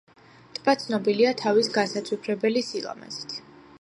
ტბა ცნობილია თავის განსაცვიფრებელი სილამაზით.